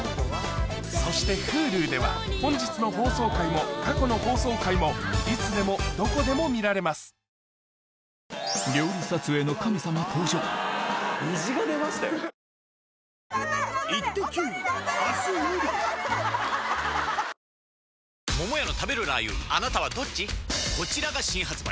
そしてＨｕｌｕでは本日の放送回も過去の放送回もいつでもどこでも見られます文ちゃん何やってんの？